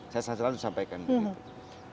saya selalu sampaikan begitu